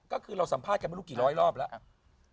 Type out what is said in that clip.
ก็คือเราสัมภาษณ์กันไม่รู้กี่ร้อยรอบแล้ว